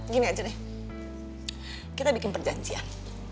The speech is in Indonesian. gini aja deh kita bikin perjanjian